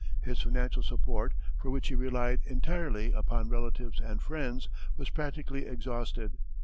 His financial support, for which he relied entirely upon relatives and friends, was practically exhausted.